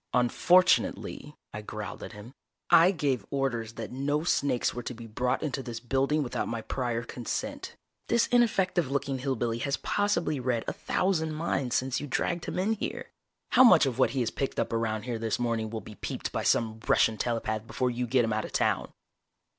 "Unfortunately," I growled at him. "I gave orders that no snakes were to be brought into this building without my prior consent. This ineffective looking hill billy has possibly read a thousand minds since you dragged him in here. How much of what he has picked up around here this morning will be peeped by some Russian telepath before you get him out of town?"